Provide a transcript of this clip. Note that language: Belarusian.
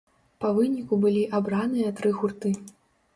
Па выніку былі абраныя тры гурты.